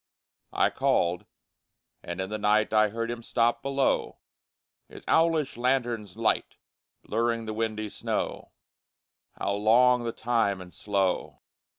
I called. And in the night I heard him stop below, His owlish lanthorn's light Blurring the windy snow How long the time and slow!